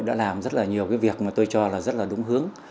đã làm rất là nhiều cái việc mà tôi cho là rất là đúng hướng